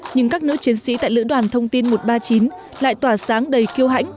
nhưng các nữ chiến sĩ tại lữ đoàn thông tin một trăm ba mươi chín lại tỏa sáng đầy kêu hãnh